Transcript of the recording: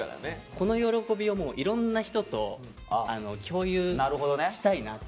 この喜びをもういろんな人と共有したいなって。